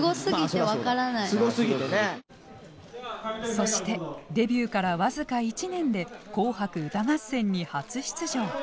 そしてデビューから僅か１年で「紅白歌合戦」に初出場。